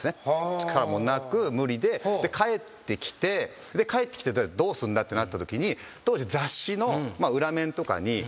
力もなく無理で帰ってきて帰ってきてどうすんだってなったときに当時。